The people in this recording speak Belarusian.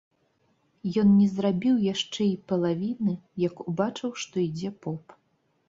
Ён не зрабіў яшчэ й палавіны, як убачыў, што ідзе поп.